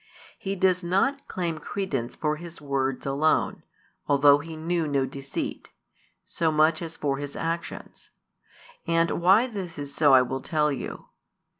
He does not claim credence for His words alone, although He knew no deceit, so much as for His actions. And why this is so I will tell you.